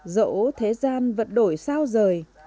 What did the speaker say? dẫu thế gian vẫn đổi sao rời